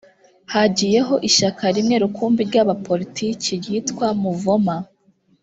hagiyeho ishyaka rimwe rukumbi rya poritiki ryitwa muvoma